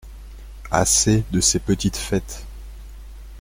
Assez de ces petites fêtes !